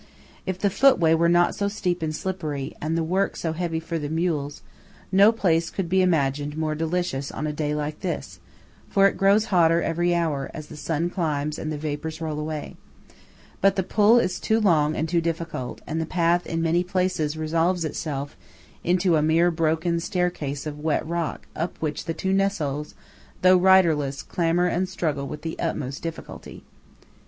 If the footway were not so steep and slippery, and the work so heavy for the mules, no place could be imagined more delicious on a day like this; for it grows hotter every hour, as the sun climbs and the vapours roll away. But the pull is too long and too difficult; and the path in many places resolves itself into a mere broken staircase of wet rock up which the two Nessols, though riderless, clamber and struggle with the utmost difficulty.